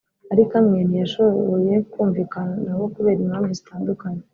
ariko a amwe ntiyashoboye kumvikana nabo kubera impamvu zitandukanye